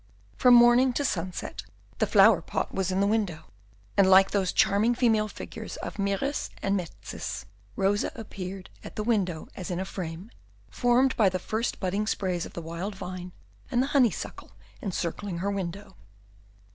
From morning to sunset the flower pot was in the window, and, like those charming female figures of Mieris and Metzys, Rosa appeared at that window as in a frame, formed by the first budding sprays of the wild vine and the honeysuckle encircling her window.